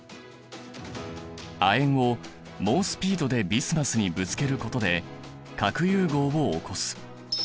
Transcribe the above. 亜鉛を猛スピードでビスマスにぶつけることで核融合を起こす。